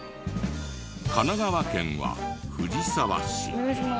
神奈川県は藤沢市。